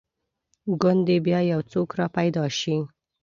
ګوندې بیا یو څوک را پیدا شي.